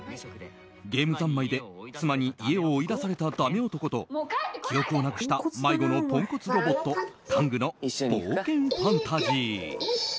ゲームざんまいで妻に家を追い出されただめ男と記憶をなくした迷子のポンコツロボットタングの冒険ファンタジー。